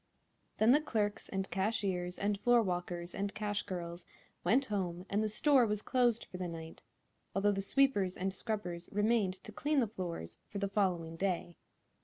Then the clerks and cashiers and floorwalkers and cash girls went home and the store was closed for the night, although the sweepers and scrubbers remained to clean the floors for the following day.